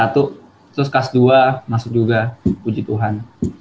terus kelas dua masuk juga puji tuhan